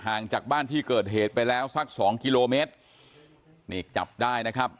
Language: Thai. จากบ้านที่เกิดเหตุไปแล้วสักสองกิโลเมตรนี่จับได้นะครับ